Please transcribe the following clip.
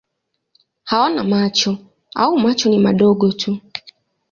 Hawana macho au macho ni madogo tu.